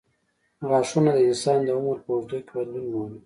غاښونه د انسان د عمر په اوږدو کې بدلون مومي.